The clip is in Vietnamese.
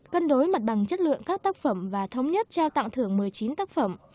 cân đối mặt bằng chất lượng các tác phẩm và thống nhất trao tặng thưởng một mươi chín tác phẩm